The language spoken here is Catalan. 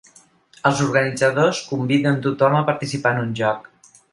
Els organitzadors conviden tothom a participar en un joc.